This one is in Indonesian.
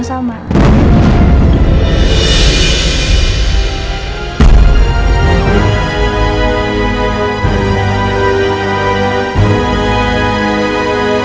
mbak mbak mau ke tempat ini